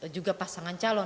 juga pasangan calon